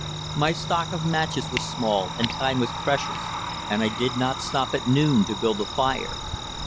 My stock of matches was small and time was precious, and I did not stop at noon to build a fire.